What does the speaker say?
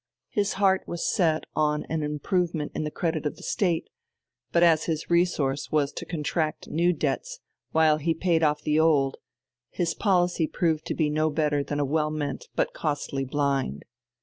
His heart was set on an improvement in the credit of the State: but as his resource was to contract new debts while he paid off the old, his policy proved to be no better than a well meant but costly blind.